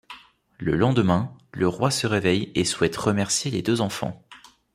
Le lendemain, le roi se réveille et souhaite remercier les deux enfants.